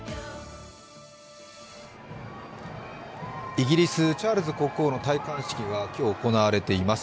イギリス・チャールズ国王の戴冠式が今日行われています。